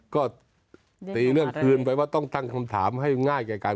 ก็ตื่นเนื่องคืนจะต้องตั้งคำถามให้ง่ายกัน